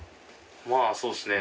まあそうっすね。